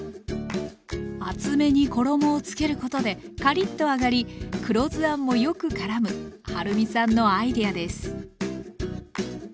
厚めに衣をつけることでカリッと揚がり黒酢あんもよくからむはるみさんのアイデアです。